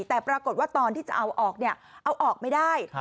แต่ปรากฏว่าตอนที่จะเอาออกเนี่ยเอาออกไม่ได้